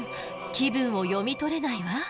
気分を読み取れないわ。